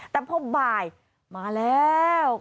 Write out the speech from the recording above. แต่พอบ่ายมาแล้ว